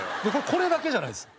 これだけじゃないです。